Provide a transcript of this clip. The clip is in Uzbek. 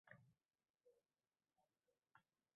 asosiy xarajatlar sifatida qolishi kerak